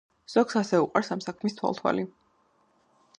ზოგს ასევე უყვარს ამ საქმის თვალთვალი.